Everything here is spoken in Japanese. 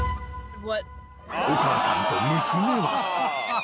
［お母さんと娘は］